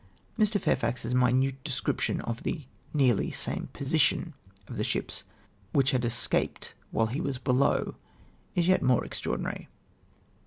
Mr. Fairfax's minute descri])tion of the " nearly same position " of the ships which had escaped ifhile he teas below ! is yet more extraordinary.